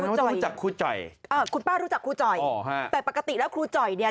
แสดงว่าต้องรู้จักครูจอยคุณป้ารู้จักครูจอยแต่ปกติแล้วครูจอย